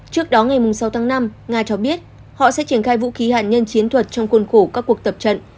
trước đó ngày sáu tháng năm nga cho biết họ sẽ triển khai vũ khí hạt nhân chiến thuật trong khuôn khổ các cuộc tập trận